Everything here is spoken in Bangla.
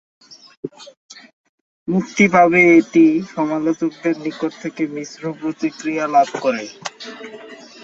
মুক্তি পরে এটি সমালোচকদের নিকট থেকে মিশ্র প্রতিক্রিয়া লাভ করে।